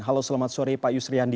halo selamat sore pak yusriandi